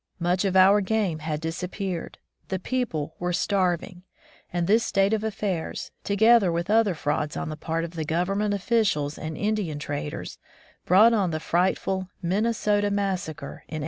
Much of our game had disappeared; the people were starving; and this state of affairs, together with other frauds on the part of Government officials and Indian traders, brought on the frightful ^'Minnesota massa cre" in 1862.